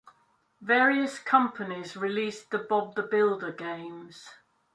Various companies released the Bob the Builder games.